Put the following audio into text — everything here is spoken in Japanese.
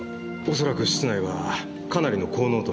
恐らく室内はかなりの高濃度のガスが。